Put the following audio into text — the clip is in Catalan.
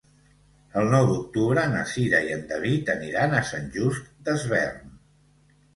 El nou d'octubre na Cira i en David aniran a Sant Just Desvern.